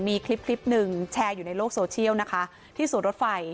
มีคลิป๑แชร์อยู่ในโลกโซเชียลที่สวทธรรมภัย